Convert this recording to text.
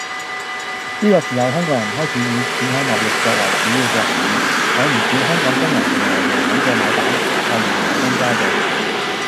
呢個時候香港人開始以轉口貿易作為主要嘅行業，有唔少香港商人成為洋行嘅買辦，例如何東家族